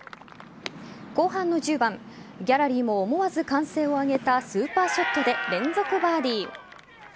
後半の１０番ギャラリーも思わず歓声を上げたスーパーショットで連続バーディー。